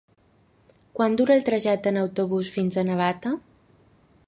Quant dura el trajecte en autobús fins a Navata?